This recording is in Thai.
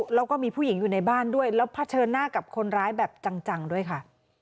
แล้วก็มีผู้หญิงอยู่ในบ้านด้วยแล้วเผชิญหน้ากับคนร้ายแบบจังด้วยค่ะ